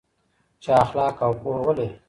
چې اخلاق او پوهه ولري.